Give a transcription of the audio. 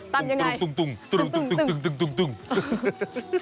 ตำยังไง